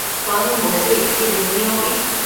paëmboshëcquidën niobi